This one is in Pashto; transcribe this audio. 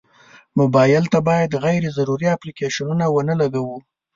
موبایل ته باید غیر ضروري اپلیکیشنونه ونه لګوو.